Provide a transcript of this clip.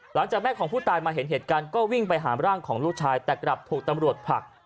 หลังจากแม่ของผู้ตายมาเห็นเหตุการณ์ก็วิ่งไปหาร่างของลูกชายแต่กลับถูกตำรวจผลัก